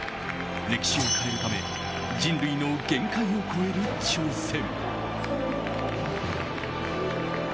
歴史を変えるため人類の限界を超える挑戦。